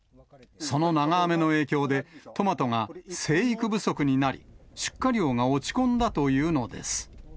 その長雨の影響で、トマトが生育不足になり、出荷量が落ち込んだというのです。